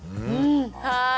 はい。